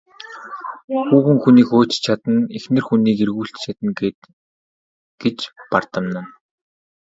Хүүхэн хүнийг хөөж ч чадна, эхнэр хүнийг эргүүлж ч чадна гээд гэж бардамнана.